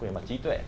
về mặt trí tuệ